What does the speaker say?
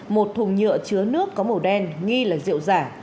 một thùng nhựa chứa nước có màu đen nghi là rượu giả